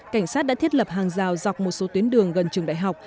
cảnh sát đã thiết lập hàng rào dọc một số tuyến đường gần trường đại học